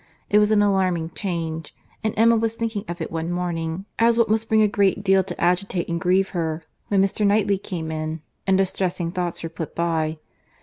It was an alarming change; and Emma was thinking of it one morning, as what must bring a great deal to agitate and grieve her, when Mr. Knightley came in, and distressing thoughts were put by.